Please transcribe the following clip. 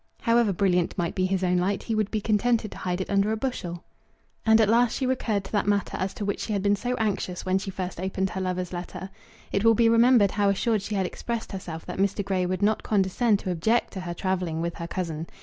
However brilliant might be his own light, he would be contented to hide it under a bushel!" And at last she recurred to that matter as to which she had been so anxious when she first opened her lover's letter. It will be remembered how assured she had expressed herself that Mr. Grey would not condescend to object to her travelling with her cousin.